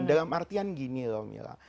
dalam artian gini loh mila